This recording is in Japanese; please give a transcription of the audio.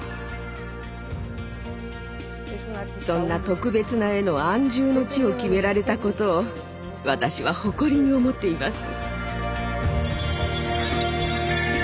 そんな特別な絵の安住の地を決められたことを私は誇りに思っています。